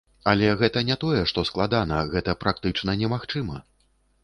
Але, гэта не тое што складана, гэта практычна немагчыма.